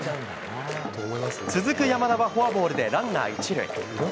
続く山田はフォアボールで、ランナー１塁。